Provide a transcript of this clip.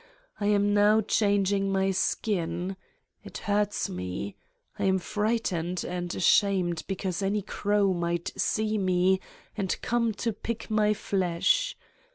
I am now changing my skin. It hurts me. I am frightened and ashamed because any crow might see me and come to pick my flesh.